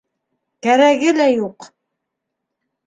Кәрәге лә юҡ!